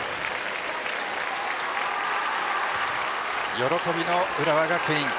喜びの浦和学院。